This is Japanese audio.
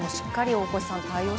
大越さん。